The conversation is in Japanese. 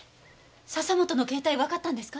笹本の携帯わかったんですか？